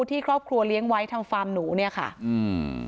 ที่ครอบครัวเลี้ยงไว้ทางฟาร์มหนูเนี่ยค่ะอืม